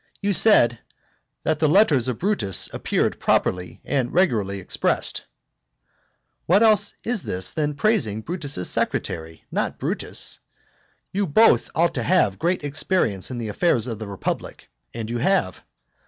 You said "that the letters of Brutus appeared properly and regularly expressed." What else is this than praising Brutus's secretary, not Brutus? You both ought to have great experience in the affairs of the republic, and you have.